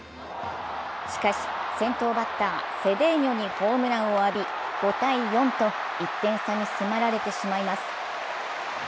しかし、先頭バッター・セデーニョにホームランを浴び５−４と１点差に迫られてしまいます。